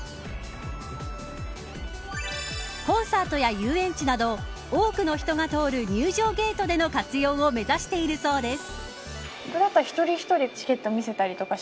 コンサートや遊園地など多くの人が通る入場ゲートでの活用を目指しているそうです。